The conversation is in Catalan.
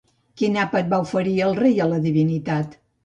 Quin àpat va oferir el rei a la divinitat?